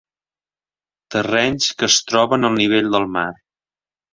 Terrenys que es troben al nivell del mar.